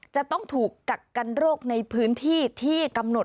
จะต้องถูกกักกันโรคในพื้นที่ที่กำหนด